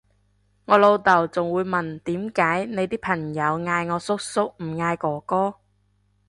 我老豆仲會問點解你啲朋友嗌我叔叔唔嗌哥哥？